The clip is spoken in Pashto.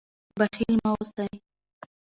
بخیل مه اوسئ.